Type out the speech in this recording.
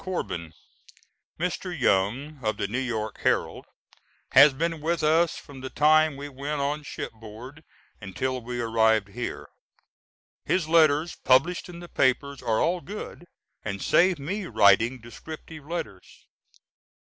CORBIN: Mr. Young, of the New York Herald, has been with us from the time we went on shipboard until we arrived here. His letters published in the papers are all good, and save me writing descriptive letters.